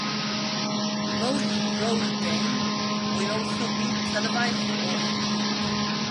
Most road game will also be televised or streamed.